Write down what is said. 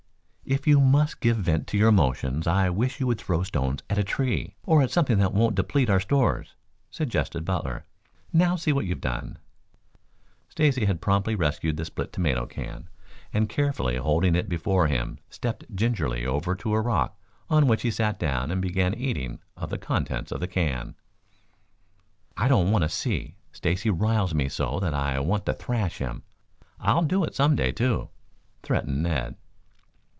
"If you must give vent to your emotions I wish you would throw stones at a tree, or at something that won't deplete our stores," suggested Butler. "Now see what you've done." Stacy had promptly rescued the split tomato can and carefully holding it before him stepped gingerly over to a rock on which he sat down and began eating of the contents of the can. "I don't want to see. Stacy riles me so that I want to thrash him. I'll do it some day, too!" threatened Ned.